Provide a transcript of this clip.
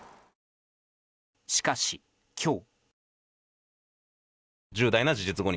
しかし、今日。